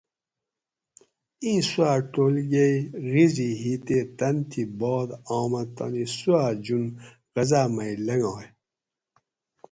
ایں سوا ٹولگئ غیزی ھی تے تن تھی بعد آمہ تانی سواۤ ژوند غزاۤ مئ لنگائ